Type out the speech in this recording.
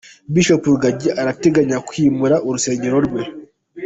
Bishop Rugagi arateganya kwimura urusengero rwe.